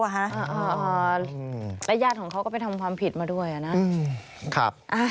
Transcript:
เออแล้วย่างยาดของเขาก็ไปทำความผิดมาด้วยล่ะ